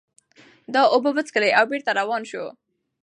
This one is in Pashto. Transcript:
ده اوبه وڅښلې او بېرته روان شو.